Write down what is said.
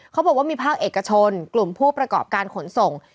เขาบอกว่ามีภาคเอกชนกลุ่มผู้ประกอบการขนส่ง